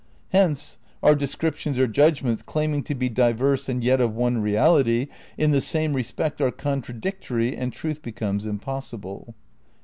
Hence our descriptions or judgments, claiming to be diverse and yet of one reality, in the same respect, are contradictory and truth becomes impossible."